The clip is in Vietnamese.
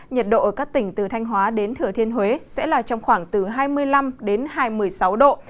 nhiệt độ ở các tỉnh từ thanh hóa đến thừa thiên huế sẽ là trong khoảng từ hai mươi năm đến hai mươi sáu độ